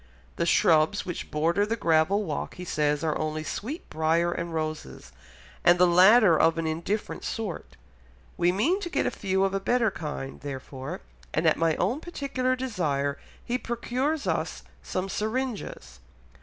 The shrubs which border the gravel walk he says are only sweet briar and roses, and the latter of an indifferent sort; we mean to get a few of a better kind therefore, and at my own particular desire he procures us some syringas.